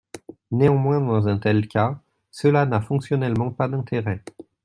Néanmoins, dans un tel cas, cela n'a fonctionnellement pas d'intérêt.